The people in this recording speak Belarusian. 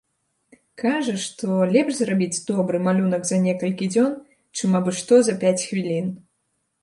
Кажа, што лепш зрабіць добры малюнак за некалькі дзён, чым абы-што за пяць хвілін.